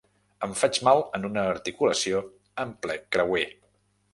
Em faig mal en una articulació en ple creuer.